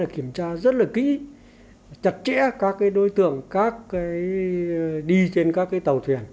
kiểm tra rất là kỹ chặt chẽ các đối tượng đi trên các tàu thuyền